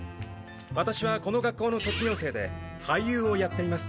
私はこの学校の卒業生で俳優をやっています